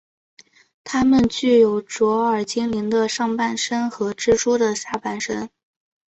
他们具有卓尔精灵的上半身和蜘蛛的下半身。